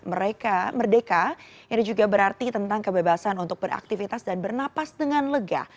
mereka merdeka ini juga berarti tentang kebebasan untuk beraktivitas dan bernapas dengan lega